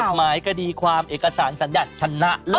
หมายกดีความเอกสารสัญญาชนะเลย